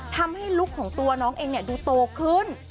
ลุคของตัวน้องเองดูโตขึ้น